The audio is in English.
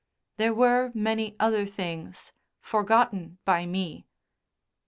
There were many other things, forgotten by me.